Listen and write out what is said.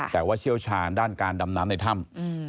แต่ว่าเชี่ยวชาญด้านการดำน้ำในถ้ำ